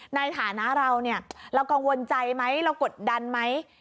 ในฐานะเราเนี่ยเรากังวลใจไหมเรากดดันไหม